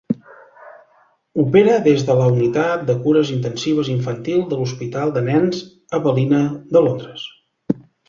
Opera des de la Unitat de Cures Intensives Infantil de l'Hospital de Nens Evelina de Londres.